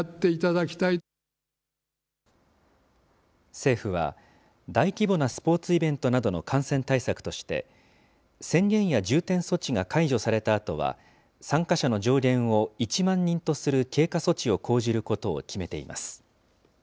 政府は、大規模なスポーツイベントなどの感染対策として、宣言や重点措置が解除されたあとは、参加者の上限を１万人とする経過措置を講じることを決めています。